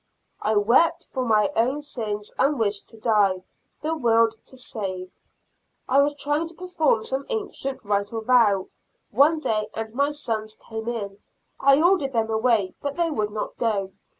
I wept for my own sins, and wished to die, the world to save. I was trying to perform some ancient right or vow, one day, and my sons came in. I ordered them away, but they would not go.